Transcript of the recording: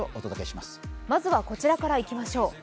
まずはこちらからいきましょう。